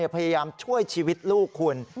พยายามช่วยชีวิตลูกคุณ